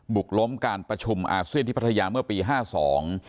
กล้มการประชุมอาเซียนที่พัทยาเมื่อปีห้าสอง